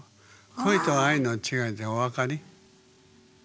恋と愛の違いってお分かり？